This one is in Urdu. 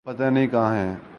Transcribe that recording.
اب پتہ نہیں کہاں ہیں۔